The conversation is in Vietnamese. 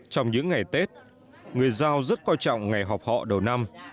trong những ngày tết người giao rất quan trọng ngày họp họ đầu năm